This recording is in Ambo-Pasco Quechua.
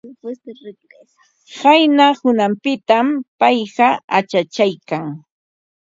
Qayna hunanpitam payqa achachaykan.